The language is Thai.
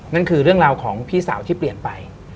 นั่นคือเรื่องราวของพี่สาวที่เปลี่ยนไป